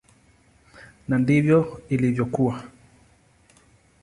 Na ndivyo ilivyokuwa.